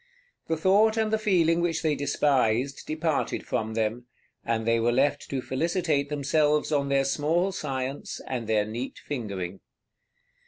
The thought and the feeling which they despised departed from them, and they were left to felicitate themselves on their small science and their neat fingering.